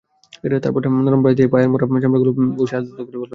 তারপরে নরম ব্রাশ দিয়ে পায়ের মরা চামড়াগুলো ঘষে আলতো করে তুলে ফেলুন।